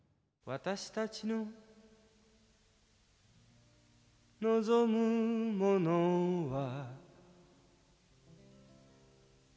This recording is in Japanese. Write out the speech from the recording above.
「私たちの望むものは」